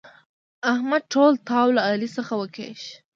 احمد ټول تاو له علي څخه وکيښ.